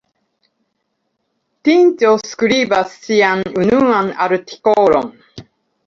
Tinĉjo skribas sian unuan artikolon.